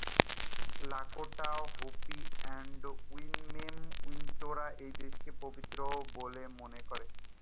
লাকোটা, Hopi এবং Winnemem উইন্টুরা এই দেশকে পবিত্র বলে মনে করে।